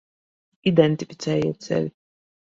Identificējiet sevi.